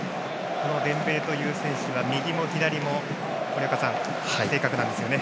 デンベレという選手は右も左も、正確なんですよね。